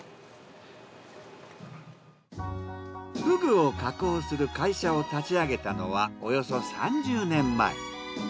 フグを加工する会社を立ち上げたのはおよそ３０年前。